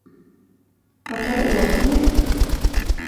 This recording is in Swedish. Vad tar det åt mig?